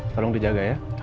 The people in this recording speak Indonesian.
tolong dijaga ya